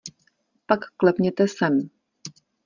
Pak klepněte sem.